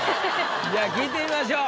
じゃあ聞いてみましょう。